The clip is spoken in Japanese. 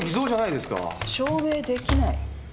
証明できない。